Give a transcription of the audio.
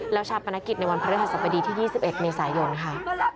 แล้วชาวประณกิจในวันภรรยาศพดีที่๒๑ในสายยนต์ค่ะ